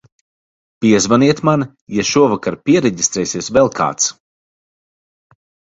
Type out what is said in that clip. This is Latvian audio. Piezvaniet man, ja šovakar piereģistrēsies vēl kāds.